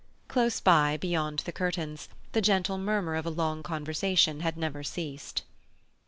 Close by, beyond the curtains, the gentle murmur of a long conversation had never ceased.